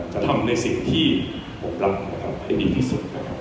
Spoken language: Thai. จะทำในสิ่งที่ผมรักนะครับให้ดีที่สุดนะครับ